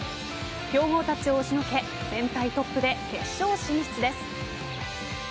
強豪たちを押しのけ全体トップで決勝進出です。